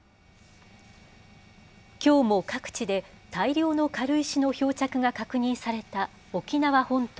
きょうも各地で、大量の軽石の漂着が確認された沖縄本島。